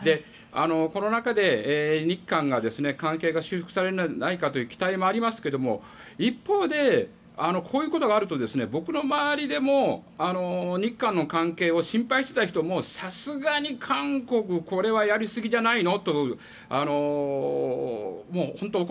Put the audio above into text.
この中で、日韓の関係が修復されないかという期待もありますが一方でこういうことがあると僕の周りでも日韓の関係を心配していた人もさすがに韓国、これはやりすぎじゃないの？